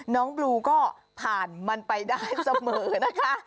น้องบลูก็ผ่านมันไปได้เสมอนะคะ